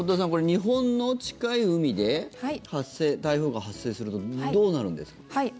日本の近い海で台風が発生するとどうなるんですか？